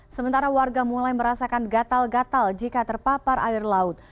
sementara warga mulai merasakan gatal gatal jika terpapar air laut